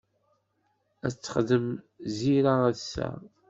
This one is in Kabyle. Ad texdem Zira ass-a?